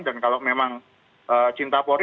dan kalau memang cinta polri